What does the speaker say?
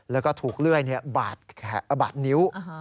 แล้วก็ถูกเลื่อยบาดนิ้ว